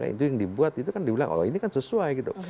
itu yang dibuat itu kan dibilang oh ini kan sesuai gitu